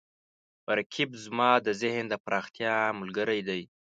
رقیب زما د ذهن د پراختیا ملګری دی